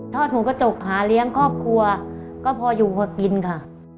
หูกระจกหาเลี้ยงครอบครัวก็พออยู่พอกินค่ะ